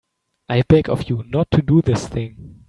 I beg of you not to do this thing.